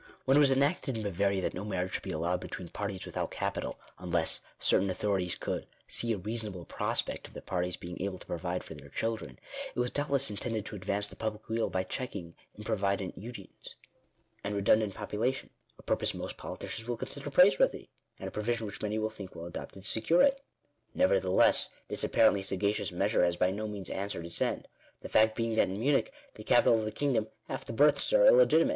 When it was enacted in Bavaria that no marriage should be allowed between parties without capital, unless certain authori ties could " see a reasonable prospect of the parties being able to provide for their children," it was doubtless intended to ad vance the public weal by checking improvident unions, and redundant population; a purpose most politicians will con sider praiseworthy, and a provision which many will think well adapted to secure it. Nevertheless this apparently saga cious measure has by no means answered its end; the fact being that in Munich, the capital of the kingdom, half the births are illegitimate